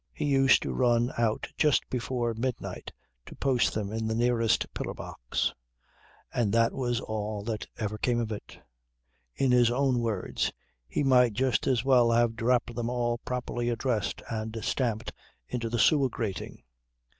He used to run out just before midnight to post them in the nearest pillar box. And that was all that ever came of it. In his own words: he might just as well have dropped them all properly addressed and stamped into the sewer grating.